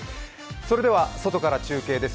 それでは、外から中継です。